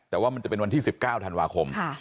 แต่ว่ามันจะเป็นวันที่๑๙ธันวาคม